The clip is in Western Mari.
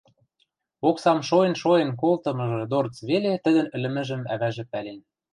Оксам шоэн-шоэн колтымыжы дорц веле тӹдӹн ӹлӹмӹжӹм ӓвӓжӹ пӓлен.